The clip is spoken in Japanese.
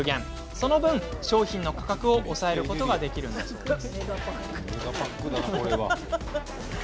その分、商品の価格を抑えることができるんだそうです。